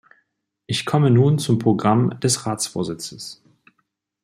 Ich komme nun zum Programm des Ratsvorsitzes.